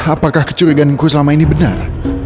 apakah kecurigaanku selama ini benar